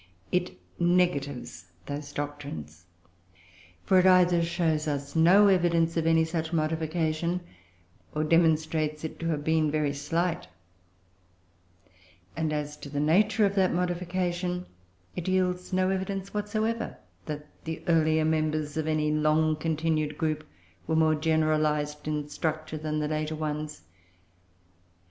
It negatives those doctrines; for it either shows us no evidence of any such modification, or demonstrates it to have been very slight; and as to the nature of that modification, it yields no evidence whatsoever that the earlier members of any long continued group were more generalised in structure than the later ones.